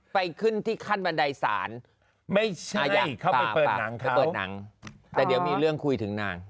ไปขึ้นที่ขั้นบันไดศาลไม่ใช่เปิดหนังแต่เดี๋ยวมีเรื่องคุยถึงนาง